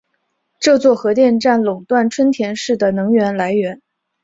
这座核电站垄断春田市的能源来源。